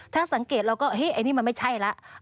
ถ้าสังเกตเราก็อันนี้มันไม่ใช่แล้ว